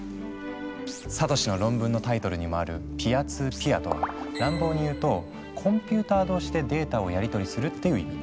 サトシの論文のタイトルにもある「Ｐ２Ｐ」とは乱暴に言うとコンピューター同士でデータをやりとりするっていう意味。